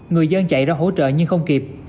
người dân chạy ra hỗ trợ nhưng không kịp